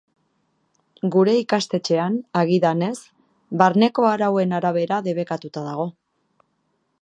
Gure ikastetxean, agidanez, barneko arauen arabera debekatuta dago.